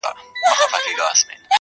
زه خو دا ورځینو اکثره پیښو